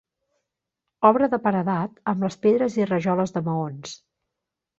Obra de paredat amb pedres i rajoles de maons.